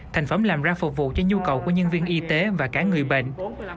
thành phẩm làm ra phục vụ cho nhu cầu của nhân viên y tế và cả người bệnh